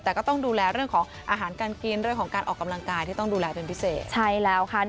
แต่ก็ต้องดูแลเรื่องของอาหารการกินเรื่องของการออกกำลังกายที่ต้องดูแลเป็นพิเศษใช่แล้วค่ะ